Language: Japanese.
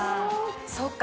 そっか。